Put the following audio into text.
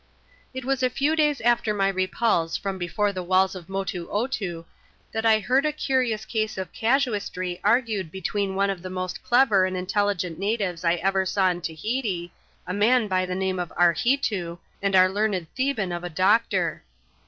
It was a few days after my repulse from before the walls of Motoo Otoo, that I heard a curious case of casuistry argued between one of the most clever and intelligent natives I ever •saw in Tahiti, a man by the name of Arheetoo, and our learned Theban of a doctor.